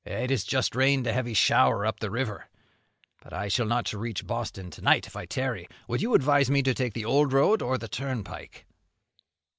"It has just rained a heavy shower up the river. But I shall not reach Boston to night if I tarry. Would you advise me to take the old road, or the turnpike?"